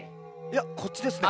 いやこっちです。